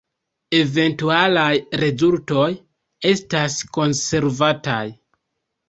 Eventualaj rezultoj estas konservataj.